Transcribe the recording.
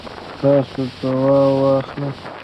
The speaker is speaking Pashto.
تاسو دوا واخلئ